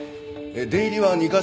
出入りは２カ所。